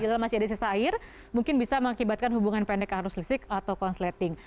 di dalam masih ada sisa air mungkin bisa mengakibatkan hubungan pendek arus listrik atau konsleting